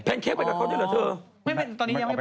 แพนเค้กไปกับเขาด้วยเหรอเธออ๋อไม่ตอนนี้ยังไม่ไป